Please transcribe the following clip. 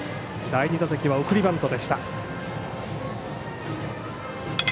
第２打席は送りバントでした。